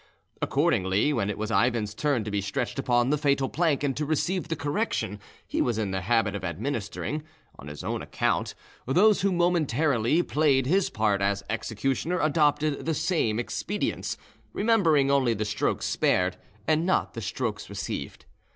Accordingly, when it was Ivan's turn to be stretched upon the fatal plank and to receive the correction he was in the habit of administering, on his own account, those who momentarily played his part as executioner adopted the same expedients, remembering only the strokes spared and not the strokes received.